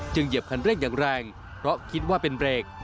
เหยียบคันเร่งอย่างแรงเพราะคิดว่าเป็นเบรก